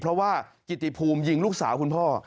เพราะว่ากิติภูมิยิงลูกสาวคุณพ่อ